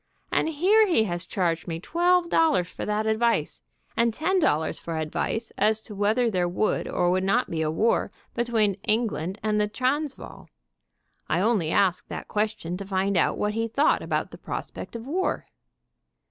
And here he has charged me twelve THE MAN WHO ASKED QUESTIONS 89 dollars for that advice, and ten dollars for advice as to whether there would or would not be a war be tween England and the Transvaal. I only asked that question to find out what he thought about the pros pect of war."